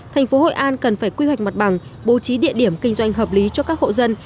thành phố hội an cần phải quy hoạch mặt bằng bố trí địa điểm kinh doanh hợp lý cho các hộ dân